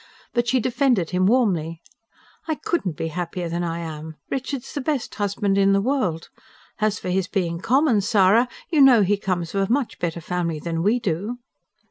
But she defended him warmly. "I couldn't be happier than I am; Richard's the best husband in the world. As for his being common, Sara, you know he comes of a much better family than we do."